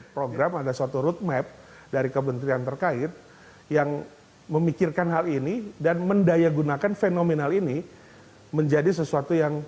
program ada suatu roadmap dari kementerian terkait yang memikirkan hal ini dan mendayagunakan fenomenal ini menjadi sesuatu yang